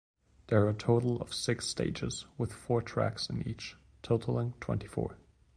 There are a total of six stages, with four tracks in each, totalling twenty-four.